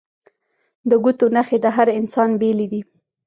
د ګوتو نښې د هر انسان بیلې دي